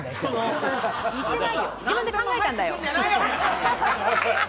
言ってないよ、自分で考えたんだよ。